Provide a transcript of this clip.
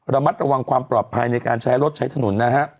ระมัดระวังความปลอดภัยในการใช้รถใช้ถนนนะฮะ